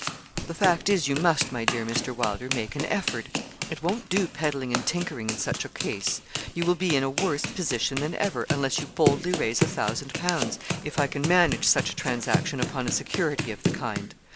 'The fact is you must, my dear Mr. Wylder, make an effort. It won't do peddling and tinkering in such a case. You will be in a worse position than ever, unless you boldly raise a thousand pounds if I can manage such a transaction upon a security of the kind.